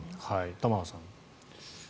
玉川さん。